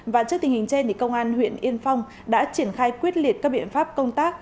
và trước tình hình trên công an huyện yên phong đã triển khai quyết liệt các biện pháp công tác